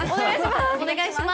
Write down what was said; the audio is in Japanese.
お願いします。